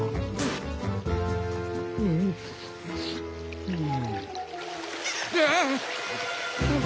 うんうん。